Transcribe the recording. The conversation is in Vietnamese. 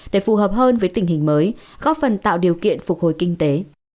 để phù hợp hơn với tình hình mới góp phần tạo điều kiện phục hồi kinh tế